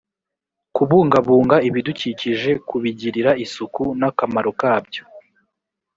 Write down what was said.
kubungabunga ibidukikije kubigirira isuku n akamaro kabyo